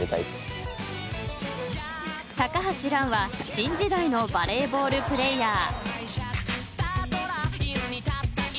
［新時代のバレーボールプレーヤー］